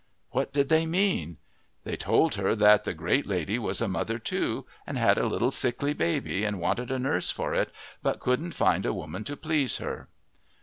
What did they mean? They told her that the great lady was a mother too, and had a little sickly baby and wanted a nurse for it, but couldn't find a woman to please her.